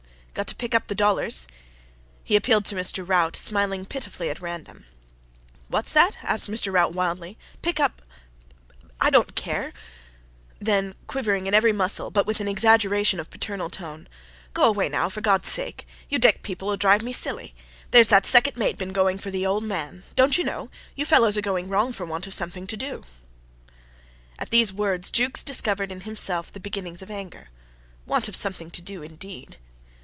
"Got to pick up the dollars." He appealed to Mr. Rout, smiling pitifully at random. "What's that?" asked Mr. Rout, wildly. "Pick up ...? I don't care. ..." Then, quivering in every muscle, but with an exaggeration of paternal tone, "Go away now, for God's sake. You deck people'll drive me silly. There's that second mate been going for the old man. Don't you know? You fellows are going wrong for want of something to do. ..." At these words Jukes discovered in himself the beginnings of anger. Want of something to do indeed.